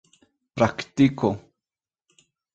praktiko